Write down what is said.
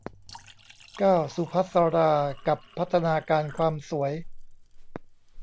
เก้า สุภัสสรา กับพัฒนาการความสวย